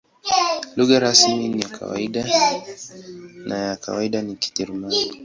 Lugha rasmi na ya kawaida ni Kijerumani.